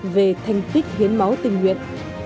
về thành tích hiến máu tình nguyện